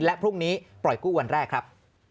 และพรุ่งนี้ปล่อยกู้วันแรกครับ